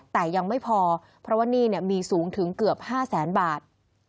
แต่ยังไม่พอเพราะว่าหนี้มีสูงถึงเกือบ๕แสนบาท